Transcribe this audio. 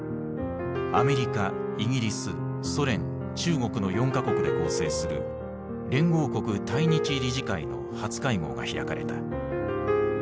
アメリカイギリスソ連中国の４か国で構成する連合国対日理事会の初会合が開かれた。